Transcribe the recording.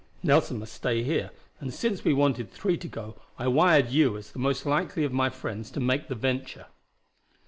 Nelson must stay here, and since we wanted three to go I wired you as the most likely of my friends to make the venture."